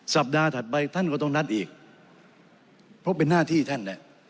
สัปดาห์ถัดไปท่านก็ต้องนัดอีกเพราะเป็นหน้าที่ท่านนะ